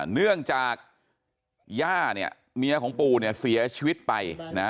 เนื่องจากย่าเนี่ยเมียของปู่เนี่ยเสียชีวิตไปนะ